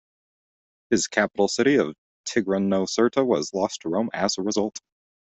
His capital city of Tigranocerta was lost to Rome as a result.